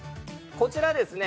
こちらですね